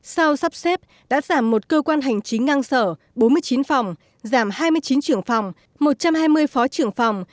sau sắp xếp đã giảm một cơ quan hành chính ngang sở bốn mươi chín phòng giảm hai mươi chín trưởng phòng một trăm hai mươi phó trưởng phòng